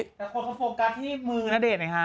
แต่คนเขาโฟกัสที่มือณเดชน์ฮะ